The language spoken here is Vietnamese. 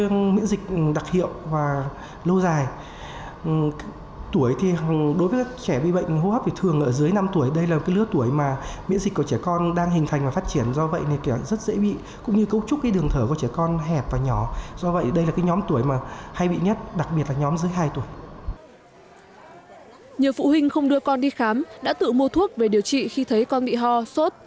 nhiều phụ huynh không đưa con đi khám đã tự mua thuốc về điều trị khi thấy con bị ho sốt